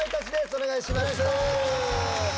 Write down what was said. お願いします。